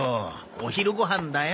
お昼ご飯だよ。